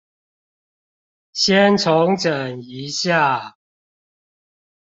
先重整一下